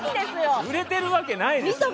売れてるわけないでしょ。